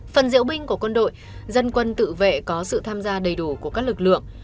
phần diễu binh của quân đội dân quân tự vệ có sự tham gia đầy đủ của các lực lượng